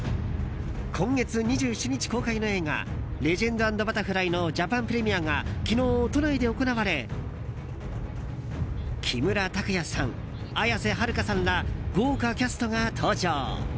今月２７日公開の映画「レジェンド＆バタフライ」のジャパンプレミアが昨日、都内で行われ木村拓哉さん、綾瀬はるかさんら豪華キャストが登場。